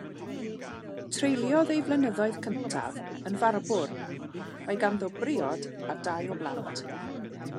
Treuliodd ei flynyddoedd cyntaf yn farbwr; mae ganddo briod a dau o blant.